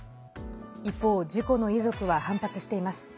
一方、事故の遺族は反発しています。